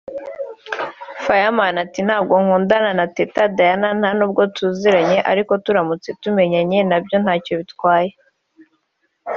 Freeman ati “Ntabwo nkundana na Teta Diana nta nubwo tuziranye ariko turamutse tumenyanye nabyo ntacyo byantwara